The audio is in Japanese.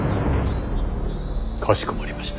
かしこまりました。